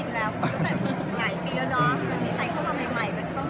ดีเยมดูกับทาง